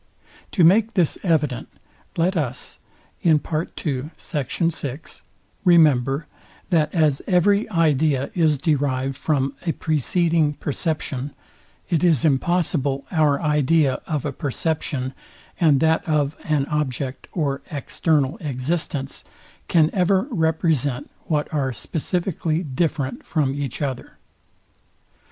To make this evident, let us remember, that as every idea is derived from a preceding perception, it is impossible our idea of a perception, and that of an object or external existence can ever represent what are specifically different from each other.